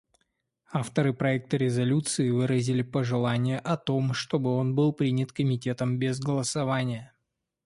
Авторы проекта резолюции выразили пожелание о том, чтобы он был принят Комитетом без голосования.